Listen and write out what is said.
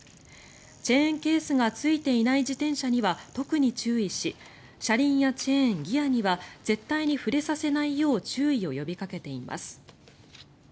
チェーンケースがついていない自転車には特に注意し車輪やチェーン、ギアには絶対に触れさせないよう注意を呼びかけています。